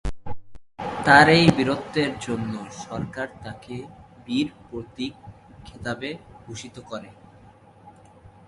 তাঁর এই বীরত্বের জন্য সরকার তাঁকে বীর প্রতীক খেতাবে ভূষিত করে।